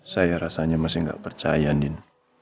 saya rasanya masih gak percaya ndin